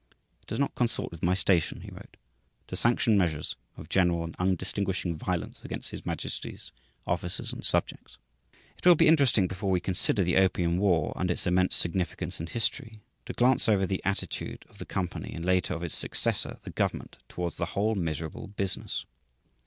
"It does not consort with my station," he wrote, "to sanction measures of general and undistinguishing violence against His Majesty's officers and subjects." It will be interesting before we consider the opium war and its immense significance in history, to glance over the attitude of the company and later of its successor, the government, towards the whole miserable business.